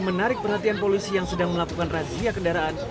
menarik perhatian polisi yang sedang melakukan razia kendaraan